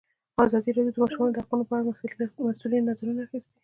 ازادي راډیو د د ماشومانو حقونه په اړه د مسؤلینو نظرونه اخیستي.